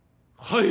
はい！！